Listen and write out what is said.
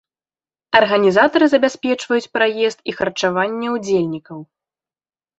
Арганізатары забяспечваюць праезд і харчаванне ўдзельнікаў.